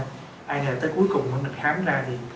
hay là tới cuối cùng nó được khám ra thì